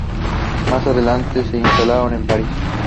Más adelante se instalaron en París.